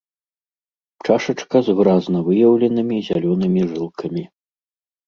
Чашачка з выразна выяўленымі зялёнымі жылкамі.